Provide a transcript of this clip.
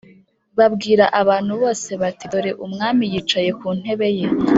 babwira abantu bose bati Dore umwami yicaye ku ntebe ye